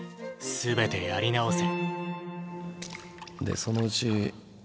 全てやり直せ。